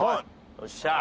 よっしゃー！